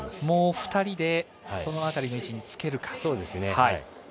もう２人でその辺りの位置につけるか。